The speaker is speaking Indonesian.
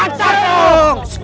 masuk masuk masuk